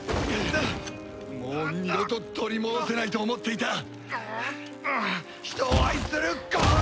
もう二度と取り戻せないと思っていた人を愛する心を！